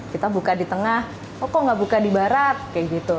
kita buka di tengah kok nggak buka di barat